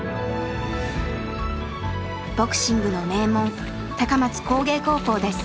ボクシングの名門高松工芸高校です。